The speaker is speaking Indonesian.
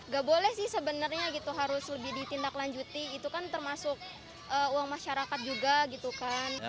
gak boleh sih sebenarnya gitu harus lebih ditindaklanjuti itu kan termasuk uang masyarakat juga gitu kan